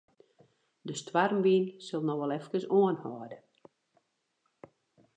De stoarmwyn sil noch wol efkes oanhâlde.